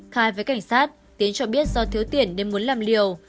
khai với cảnh sát tiến cho biết do thiếu tiền nên muốn làm liều